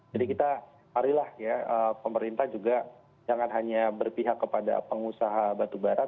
jadi kita parilah ya pemerintah juga jangan hanya berpihak kepada pengusaha batu barat